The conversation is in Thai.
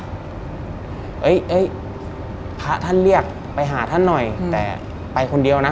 เฮ้ยพระท่านเรียกไปหาท่านหน่อยแต่ไปคนเดียวนะ